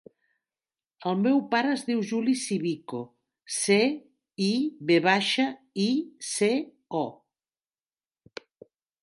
El meu pare es diu Juli Civico: ce, i, ve baixa, i, ce, o.